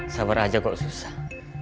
sabar aja kok susah